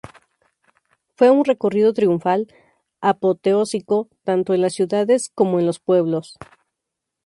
Fue un recorrido triunfal, apoteósico, tanto en las ciudades como en los pueblos.